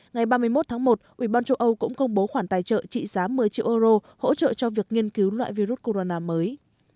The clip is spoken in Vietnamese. ngày ba mươi một tháng một ubnd cũng công bố khoản tài trợ trị giá một mươi triệu euro hỗ trợ cho việc nghiên cứu loại virus corona mới